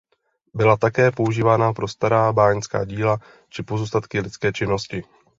Byla také používána pro stará báňská díla či pozůstatky lidské činnosti.